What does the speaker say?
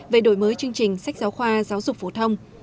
về đổi mới chương trình sách giáo khoa giáo dục phổ thông